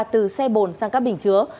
từ xe bồn sang các bình chứa